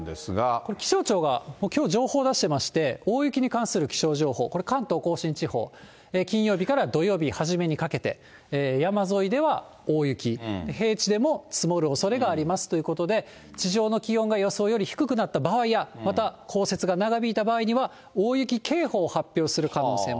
これ、気象庁がきょう、情報出してまして、大雪に関する気象情報、これ、関東甲信地方、金曜日から土曜日初めにかけて、山沿いでは大雪、平地でも積もるおそれがありますということで、地上の気温が予想より低くなった場合や、また降雪が長引いた場合には、大雪警報を発表する可能性も。